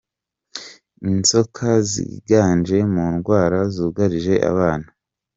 Inzoka ziganje mu ndwara zugarije abana